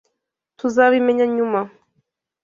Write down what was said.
Tuzabimenya nyuma.